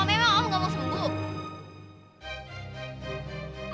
memang om gak mau sembuh